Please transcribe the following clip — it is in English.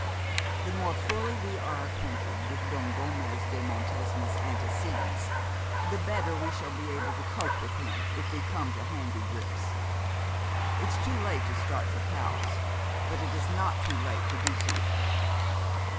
'The more fully we are acquainted with Don Gomez de Montesma's antecedents the better we shall be able to cope with him, if we come to handy grips. It's too late to start for Cowes, but it is not too late to do something.